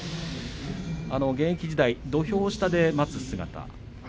現役時代土俵下で待つ姿。